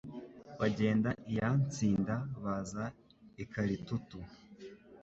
Bagenda iya Ntsinda baza i Kalitutu